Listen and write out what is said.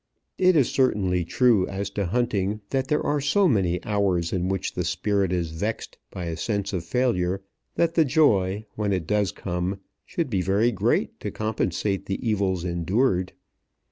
It is certainly true as to hunting that there are so many hours in which the spirit is vexed by a sense of failure, that the joy when it does come should be very great to compensate the evils endured.